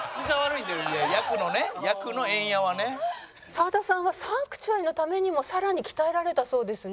澤田さんは『サンクチュアリ』のためにもさらに鍛えられたそうですね。